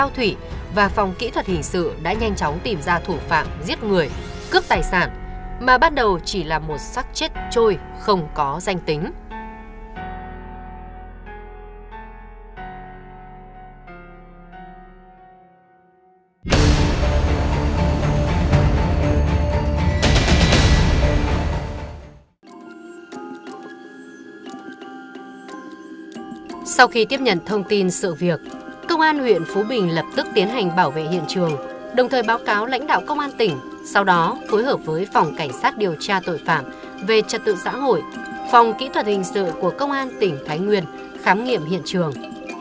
trước khi nhận thông tin sự việc công an huyện phú bình lập tức tiến hành bảo vệ hiện trường đồng thời báo cáo lãnh đạo công an tỉnh sau đó phối hợp với phòng cảnh sát điều tra tội phạm về trật tự xã hội phòng kỹ thuật hình sự của công an tỉnh thái nguyên khám nghiệm hiện trường